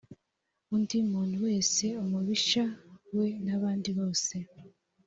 undi muntu wese umubisha we n’abandi bose